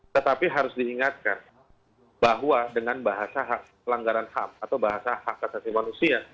tetapi harus diingatkan bahwa dengan bahasa pelanggaran ham atau bahasa hak asasi manusia